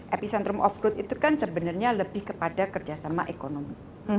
epicentrum of growth itu kan sebenarnya lebih kepada kerjasama ekonomi